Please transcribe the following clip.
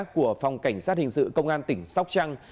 của phòng cảnh sát hình sự công an tỉnh sóc trăng